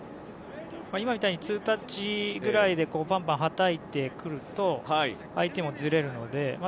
今みたいにツータッチくらいでパンパンはたいてくると相手もずれるので。